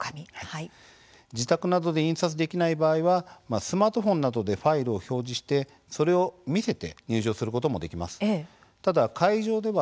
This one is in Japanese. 自宅などで印刷できない場合はスマートフォンなどでファイルを表示してそれを見せて入場することもできます。